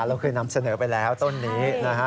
เราเคยนำเสนอไปแล้วต้นนี้นะฮะ